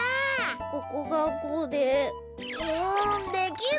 ここがこうでううできない！